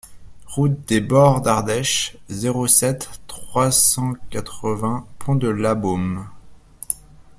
Route des Bords d'Ardèche, zéro sept, trois cent quatre-vingts Pont-de-Labeaume